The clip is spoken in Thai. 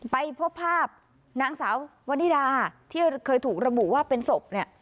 ไปพบภาพนางสาววันนิดาที่เคยถูกระบุว่าเป็นศพเนี่ย